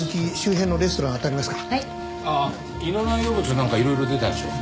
ああ胃の内容物なんかいろいろ出たでしょ？